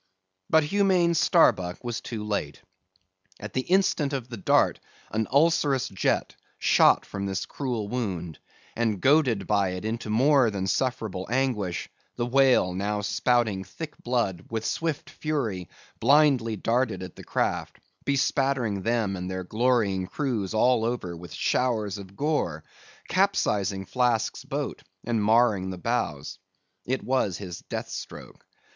But humane Starbuck was too late. At the instant of the dart an ulcerous jet shot from this cruel wound, and goaded by it into more than sufferable anguish, the whale now spouting thick blood, with swift fury blindly darted at the craft, bespattering them and their glorying crews all over with showers of gore, capsizing Flask's boat and marring the bows. It was his death stroke.